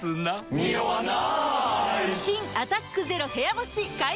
ニオわない！